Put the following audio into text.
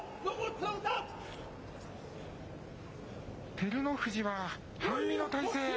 照ノ富士は半身の体勢。